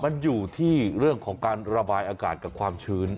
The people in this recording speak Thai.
มันอยู่ที่เรื่องของการระบายอากาศกับความชื้น